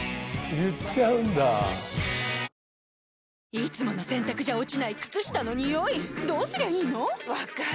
いつもの洗たくじゃ落ちない靴下のニオイどうすりゃいいの⁉分かる。